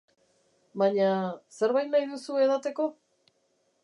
Baina, zerbait nahi duzu edateko?